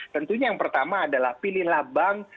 tentunya yang pertama adalah pilihlah bank